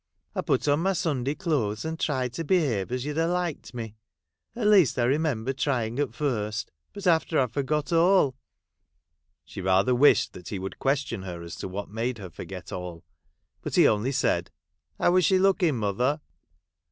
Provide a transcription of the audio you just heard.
I put on my Sunday clothes, and tried to behave as yo 'd ha liked me. At least I re member trying at first; but after, I forgot all.' Charles Dickens.] LIZZIE LEIGH. 61 She rather wished that he would question her as to what made her forget all. But he only said, ' How was she looking, mother